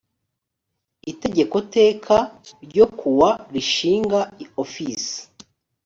itegeko teka ryo kuwa rishinga ofisi